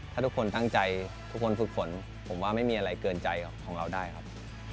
ถ้าทุกคนตั้งใจทุกคนฝึกฝนผมว่าไม่มีอะไรเกินใจของเราได้ครับ